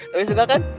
lebih suka kan